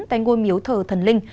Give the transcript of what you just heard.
tại ngôi miếu thờ thần linh